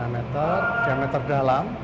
lima meter diameter dalam